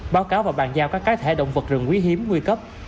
báo cáo và bàn giao các cá thể động vật rừng quý hiếm nguy cấp